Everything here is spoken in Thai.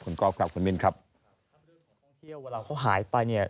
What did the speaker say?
คุณก๊อบครับคุณมินครับเวลาเขาหายไปเนี้ย